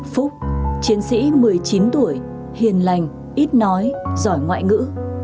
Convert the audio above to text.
phúc chiến sĩ một mươi chín tuổi hiền lành ít nói giỏi ngoại ngữ